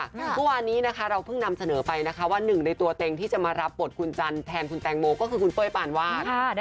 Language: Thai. เมื่อวานนี้นะคะเราเพิ่งนำเสนอไปนะคะว่าหนึ่งในตัวเต็งที่จะมารับบทคุณจันทร์แทนคุณแตงโมก็คือคุณเป้ยปานวาด